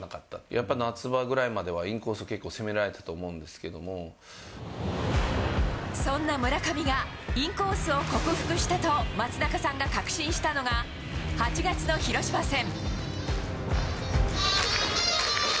やっぱり夏場ぐらいまではインコース、そんな村上が、インコースを克服したと松中さんが確信したのが、８月の広島戦。